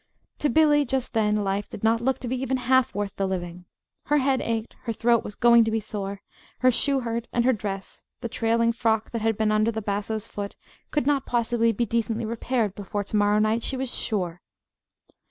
To Billy, just then, life did not look to be even half worth the living. Her head ached, her throat was going to be sore, her shoe hurt, and her dress the trailing frock that had been under the basso's foot could not possibly be decently repaired before to morrow night, she was sure.